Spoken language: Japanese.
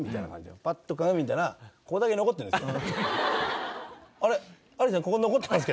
パッと鏡見たらここだけ残ってるんですよ。